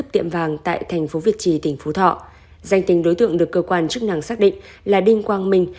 tỉnh phú thọ danh tình đối tượng được cơ quan chức năng xác định là đinh quang minh